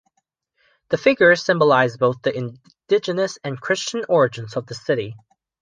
The figures symbolize both the indigenous and Christian origins of this city.